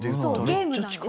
ゲームなんですよ。